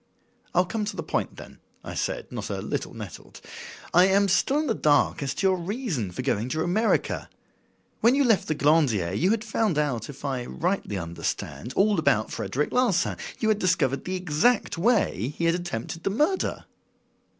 "I'll come to the point, then," I said, not a little nettled. "I am still in the dark as to your reason for going to America. When you left the Glandier you had found out, if I rightly understand, all about Frederic Larsan; you had discovered the exact way he had attempted the murder?"